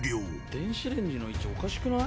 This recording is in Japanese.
電子レンジの位置おかしくない？